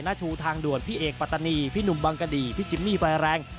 ชูทางด่วนพี่เอกปัตตานีพี่หนุ่มบังกะดีพี่จิมมี่ไฟแรง